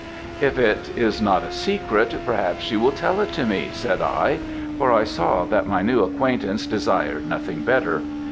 "If it is not a secret, perhaps you will tell it to me?" said I; for I saw that my new acquaintance desired nothing better.